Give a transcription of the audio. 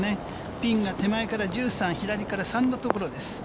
ピンが手前から１３、手前から３のところです。